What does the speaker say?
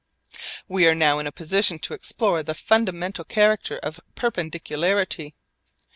We are now in a position to explore the fundamental character of perpendicularity.